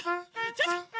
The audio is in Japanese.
ちょっと！え？